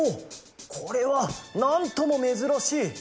これはなんともめずらしい！